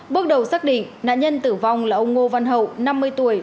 bước đầu xác định nạn nhân tử vong là ông ngô văn hậu năm mươi tuổi